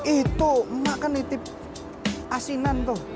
itu emak kan di tip asinan tuh